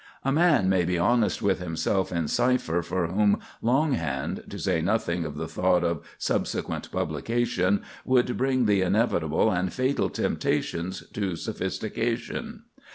A man may be honest with himself in cipher for whom long hand, to say nothing of the thought of subsequent publication, would bring the inevitable and fatal temptations to sophistication.